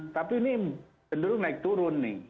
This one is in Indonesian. tapi ini cenderung naik turun nih